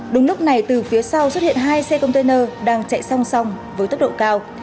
đúng lúc này từ phía sau xuất hiện hai xe container đang chạy song song với tốc độ cao